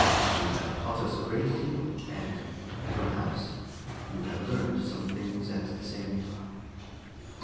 You have taught us a great deal, and perhaps you have learned some things at the same time."